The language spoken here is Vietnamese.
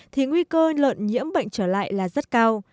thì nguy cơ lợn nhiễm bệnh trở lại là rất cao